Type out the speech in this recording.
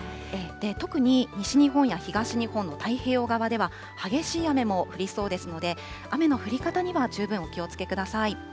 特に西日本や東日本の太平洋側では、激しい雨も降りそうですので、雨の降り方には十分お気をつけください。